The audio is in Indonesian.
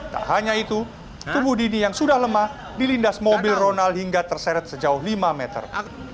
tak hanya itu tubuh dini yang sudah lemah dilindas mobil ronald hingga terseret sejauh lima meter